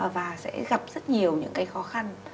và sẽ gặp rất nhiều những cái khó khăn